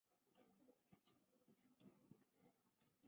Con su padre trabajó explorando todo Chile.